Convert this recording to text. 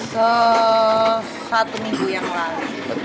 satu minggu yang lalu